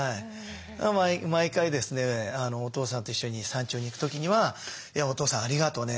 毎回ですねお父さんと一緒に山頂に行く時には「お父さんありがとね。